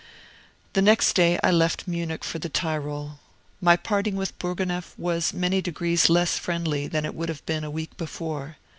The next day I left Munich for the Tyrol. My parting with Bourgonef was many degrees less friendly than it would have been a week before.